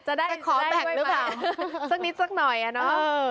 จะได้จะได้ขอแปลกสักนิดสักหน่อยอ่ะเนอะเออ